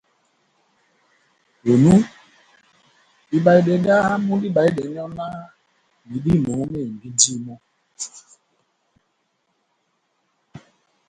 Onu, ibahedɛ dámu díbahedɛnɔ náh medímo mehembindini mɔ́,